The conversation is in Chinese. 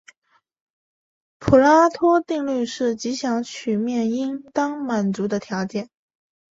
普拉托定律是极小曲面应当满足的条件。